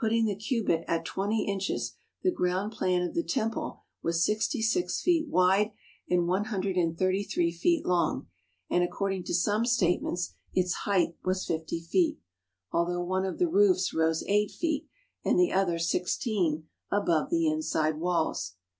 Putting the cubit at twenty inches the ground plan of the Temple was sixty six feet wide and one hundred and thirty three feet long, and according to some statements its height was fifty feet, although one of the roofs rose eight feet and the other sixteen above the inside walls.